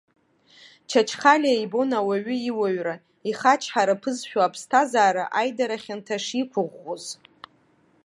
Чачхалиа ибон ауаҩы иуаҩра, ихачҳара ԥызшәо аԥсҭазаара аидара хьанҭа шиқәыӷәӷәоз.